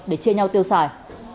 để chia nhau tiêu xài